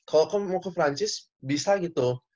kalau mau ke prancis bisa gitu